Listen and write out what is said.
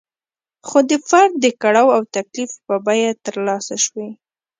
خو د فرد د کړاو او تکلیف په بیه ترلاسه شوې.